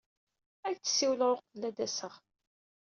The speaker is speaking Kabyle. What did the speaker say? Ad ak-d-siwleɣ uqbel ad d-aseɣ.